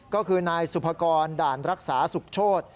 ก็คือนายสุภกรด่านรักษาสุขโชธ